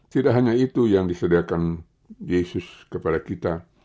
tidak hanya itu yang disediakan yesus kepada kita